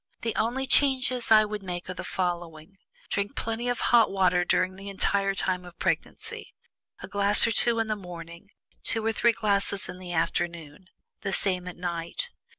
The only changes I would make are the following: Drink plenty of hot water during the entire time of pregnancy: a glass or two in the morning, two or three glasses in the afternoon, the same at night.